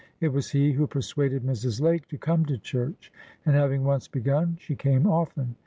It was he who persuaded Mrs. Lake to come to church, and having once begun she came often.